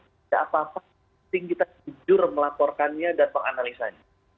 tidak apa apa penting kita jujur melaporkannya dan menganalisanya